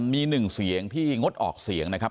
มีหนึ่งเสียงที่งดออกเสียงนะครับ